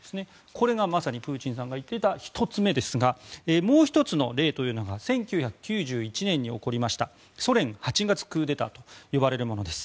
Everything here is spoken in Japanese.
これがまさにプーチンが言っていた１つ目ですがもう１つの例というのが１９９１年に起こりましたソ連８月クーデターと呼ばれるものです。